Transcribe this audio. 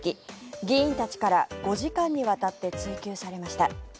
議員たちから５時間にわたって追及されました。